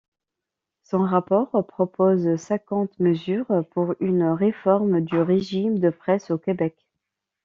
Son rapport propose cinquante mesures pour une réforme du régime de presse au Québec.